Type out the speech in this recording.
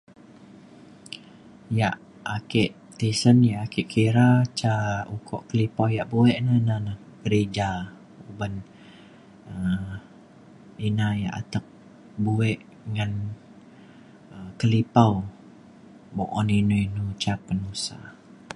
yak ake tisen yak ake kira ca ukok kelipo yak pu'un ina na gereja uban um ina yak atek buek ngan um kelipau bu'un inu inu ca penusa